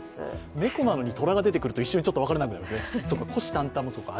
猫なのに虎が出てくると一瞬分からなくなりますね。